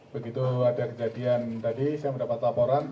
begitu ada kejadian tadi saya mendapat laporan